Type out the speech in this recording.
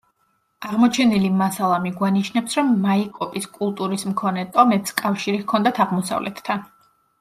აღმოჩენილი მასალა მიგვანიშნებს, რომ მაიკოპის კულტურის მქონე ტომებს კავშირი ჰქონდათ აღმოსავლეთთან.